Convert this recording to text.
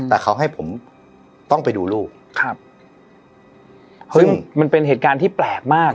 แต่เขาให้ผมต้องไปดูลูกครับเฮ้ยมันเป็นเหตุการณ์ที่แปลกมาก